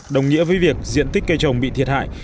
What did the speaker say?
đồng nghĩa với việc diện tích cây trồng bị thiệt hại